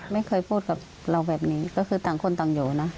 ไม่เคยพูดกับเราแบบนี้ก็คือต่างคนต่างอยู่นะ